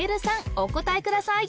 お答えください